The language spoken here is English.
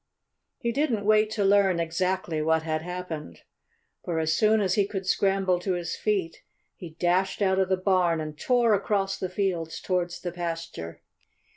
He didn't wait to learn exactly what had happened. For as soon as he could scramble to his feet he dashed out of the barn and tore across the fields towards the pasture.